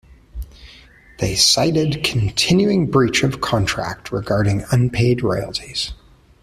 They cited continuing breach of contract regarding unpaid royalties.